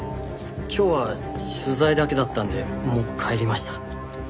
今日は取材だけだったんでもう帰りました。